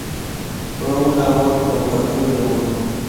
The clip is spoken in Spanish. Fue una labor compartida de amor.